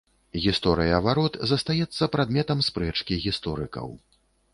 Гісторыя варот застаецца прадметам спрэчкі гісторыкаў.